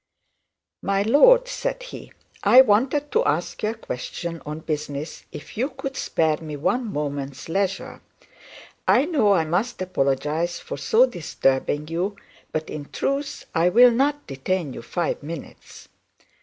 'My lord,' said he, 'I wanted to ask you a question on business, if you would spare me one moment's leisure. I know I must apologise for so disturbing you; but in truth, I will not detain you five minutes.'